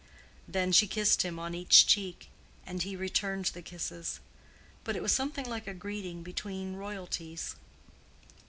Then she kissed him on each cheek, and he returned the kisses. But it was something like a greeting between royalties.